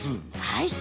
はい。